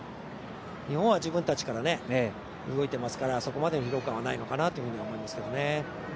日本は自分たちから動いてますからそこまでの疲労感はないのかなというふうに思いますね。